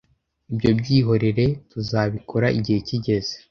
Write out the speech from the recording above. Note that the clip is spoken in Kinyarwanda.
ibyo byihorere tuzabikora igihe kigeze